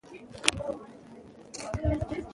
خو بر عکس د احمد الله امین زوی